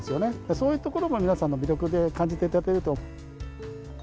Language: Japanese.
そういうものも皆さんも魅力で感じていただけると。